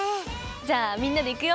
じゃあみんなでいくよ。